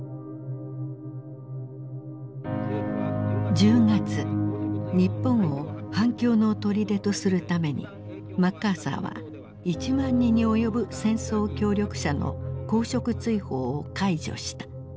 １０月日本を反共のとりでとするためにマッカーサーは１万人に及ぶ戦争協力者の公職追放を解除した。